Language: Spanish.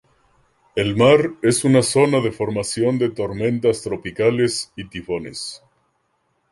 El mar es una zona de formación de tormentas tropicales y tifones.